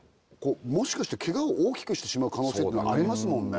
もしかしてケガを大きくしてしまう可能性っていうのありますもんね